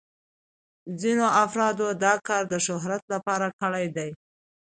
ځینو افرادو دا کار د شهرت لپاره کړی دی.